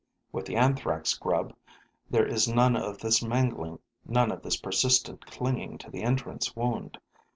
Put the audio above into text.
With the Anthrax' grub, there is none of this mangling, none of this persistent clinging to the entrance wound.